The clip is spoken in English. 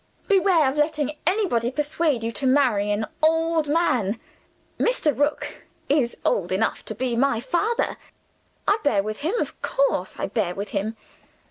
Beware of letting anybody persuade you to marry an old man. Mr. Rook is old enough to be my father. I bear with him. Of course, I bear with him.